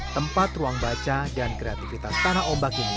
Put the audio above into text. tempat ruang baca dan kreativitas tanah ombak ini